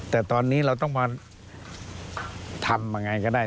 แต่ตอนนี้เราต้องมาทำยังไงก็ได้